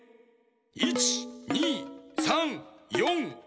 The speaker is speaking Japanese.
１２３４５６。